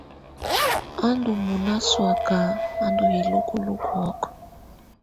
Ɔ ndá mɔná sɔaka a ndɔ ilúkuluku ɔ́k.